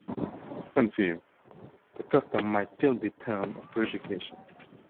Thus conceived, the custom might still be termed a purification.